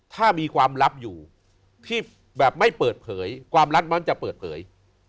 ถ้ามีความลับอยู่ที่แบบไม่เปิดเผยความลับมันจะเปิดเผย